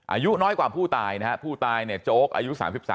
อายุน้อยกว่าผู้ตายนะฮะผู้ตายเนี่ยโจ๊กอายุ๓๓